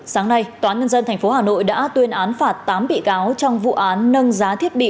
sáng nay tòa nhân dân tp hà nội đã tuyên án phạt tám bị cáo trong vụ án nâng giá thiết bị